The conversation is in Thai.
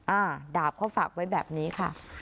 อ่าดาบเขาฝากไว้แบบนี้ค่ะ